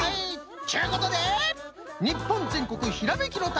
っちゅうことで日本全国ひらめきの旅